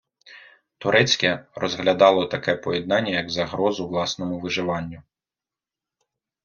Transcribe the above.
Турецьке розглядало таке приєднання як загрозу власному виживанню.